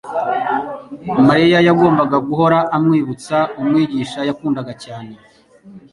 Mariya yagombaga guhora amwibutsa Umwigisha yakundaga cyane.